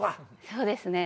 そうですね。